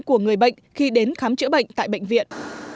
của người bệnh khi đến khám chữa bệnh tại bệnh viện